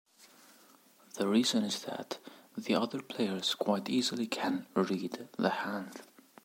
The reason is that the other players quite easily can "read" the hand.